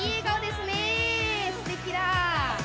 すてきだ。